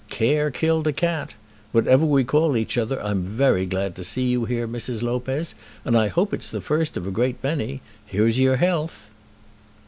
Care killed a cat. Whatever we call each other, I'm very glad to see you here, Mrs. Lopez, and I hope it's the first of a great many. Here's your health."